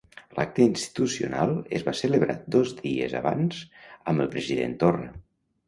L'acte institucional es va celebrar dos dies abans amb el president Torra.